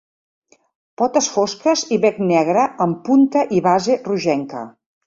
Potes fosques i bec negre amb punta i base rogenca.